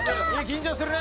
緊張する？